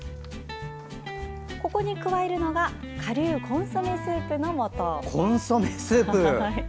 ここに加えるのがかりゅうコンソメスープのもと。